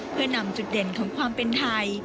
เพื่อนำจุดเด่นของความเป็นไทย